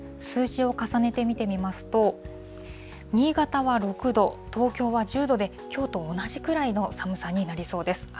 数字を重ねて見てみますと、新潟は６度、東京は１０度で、きょうと同じくらいの寒さになりそうです。